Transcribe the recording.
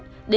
để trộn lại